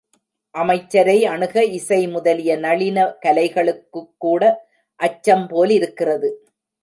அமைச்சரை அணுக இசைமுதலிய நளின கலைகளுக்குக்கூட அச்சம் போலிருக்கிறது.